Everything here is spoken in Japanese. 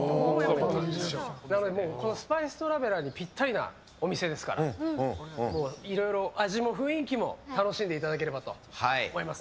なので「スパイストラベラー」にぴったりなお店ですからもういろいろ味も雰囲気も楽しんでいただければと思います。